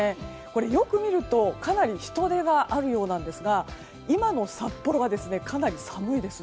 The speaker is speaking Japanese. これ、よく見るとかなり人出があるようなんですが今の札幌はかなり寒いです。